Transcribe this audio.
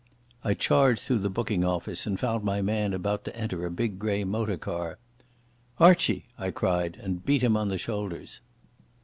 I charged through the booking office and found my man about to enter a big grey motor car. "Archie," I cried and beat him on the shoulders.